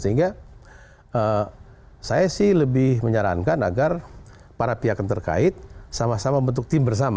sehingga saya sih lebih menyarankan agar para pihak yang terkait sama sama membentuk tim bersama